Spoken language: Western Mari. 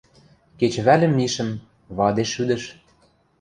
Кечӹвӓлӹм мишӹм – вадеш шӱдӹш.